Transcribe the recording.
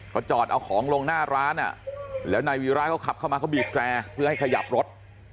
เขาจอดเอาของลงหน้าร้านแล้วนายวีระเขาขับเข้ามาเขาบีบแกร่เพื่อให้ขยับรถ